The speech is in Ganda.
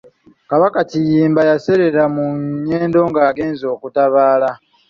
Kabaka Kiyimba yaseererera mu Nnyendo ng'agenze okutabaala.